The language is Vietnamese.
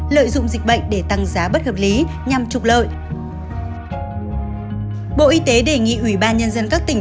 lợi dụng dịch bệnh để tăng giá bất hợp lý nhằm trục lợi bộ y tế đề nghị ủy ban nhân dân các tỉnh